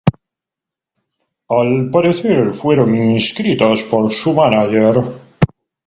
Al parecer, fueron inscritos por su mánager.